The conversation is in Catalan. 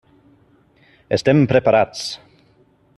Estem preparats.